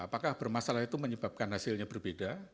apakah bermasalah itu menyebabkan hasilnya berbeda